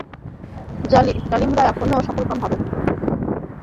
জালিমরা কখনও সফলকাম হবে না।